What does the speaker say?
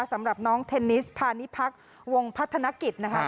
สำหรับน้องเทนนิสพาณิพักษ์วงพัฒนกิจนะคะ